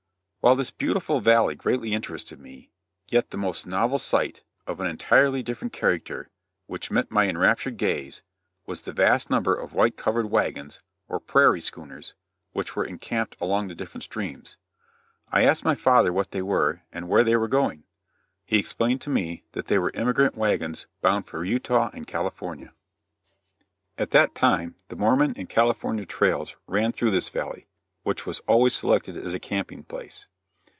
While this beautiful valley greatly interested me, yet the most novel sight, of an entirely different character, which met my enraptured gaze, was the vast number of white covered wagons, or "prairie schooners," which were encamped along the different streams. I asked my father what they were and where they were going; he explained to me that they were emigrant wagons bound for Utah and California. At that time the Mormon and California trails ran through this valley, which was always selected as a camping place.